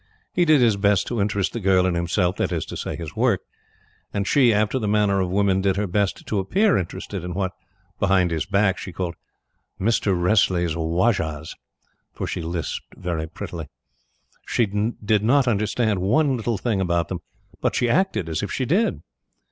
He did his best to interest the girl in himself that is to say, his work and she, after the manner of women, did her best to appear interested in what, behind his back, she called "Mr. Wressley's Wajahs"; for she lisped very prettily. She did not understand one little thing about them, but she acted as if she did.